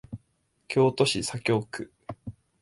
京都市左京区